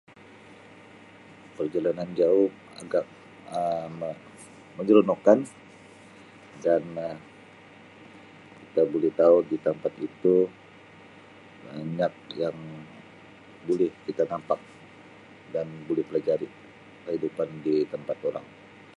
Perjalanan jauh agak Um menyeronokkan dan Um kita boleh tau di tampat itu banyak yang boleh kita nampak dan boleh pelajari kehidupan di tempat orang.